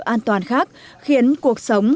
an toàn khác khiến cuộc sống